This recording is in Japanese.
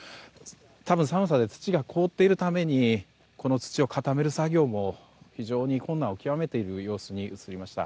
多分、寒さで土が凍っているためにこの土を固める作業も非常に困難を極めている様子に映りました。